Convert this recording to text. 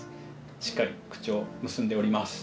しっかり口を結んでおります。